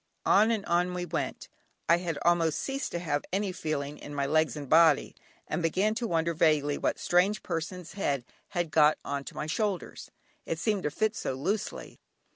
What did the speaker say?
On and on we went. I had almost ceased to have any feeling in my legs and body, and began to wonder vaguely what strange person's head had got on to my shoulders, it seemed to fit so loosely.